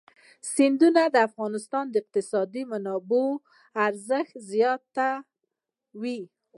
سیندونه د افغانستان د اقتصادي منابعو ارزښت زیاتوي.